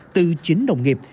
từ chính đồng nghiệp